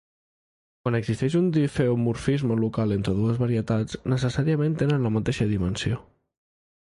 Quan existeix un difeomorfisme local entre dues varietats, necessàriament tenen la mateixa dimensió.